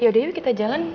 yaudah yuk kita jalan